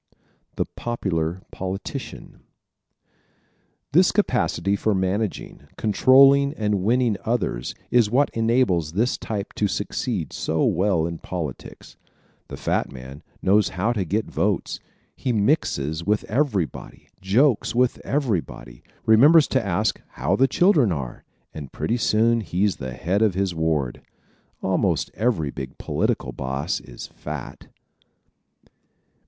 The Popular Politician ¶ This capacity for managing, controlling and winning others is what enables this type to succeed so well in politics. The fat man knows how to get votes. He mixes with everybody, jokes with everybody, remembers to ask how the children are and pretty soon he's the head of his ward. Almost every big political boss is fat.